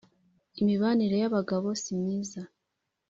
Imibanire y’abagabo simyiza